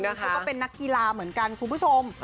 เขาก็เป็นนักกีฬาเหมือนกันคุณผู้ชม